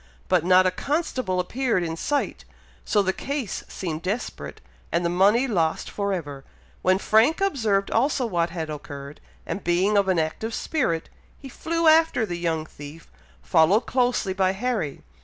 but not a constable appeared in sight, so the case seemed desperate, and the money lost for ever, when Frank observed also what had occurred, and being of an active spirit, he flew after the young thief, followed closely by Harry.